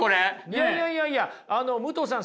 いやいやいやいや武藤さん